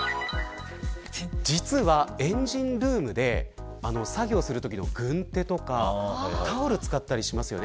実は、エンジンルームで作業するとき、軍手とかタオルを使ったりしますよね。